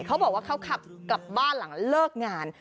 เขาบอกว่าเขาขับกลับบ้านหลังเลิกงาน